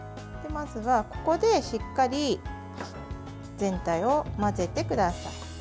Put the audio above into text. まずは、ここでしっかり全体を混ぜてください。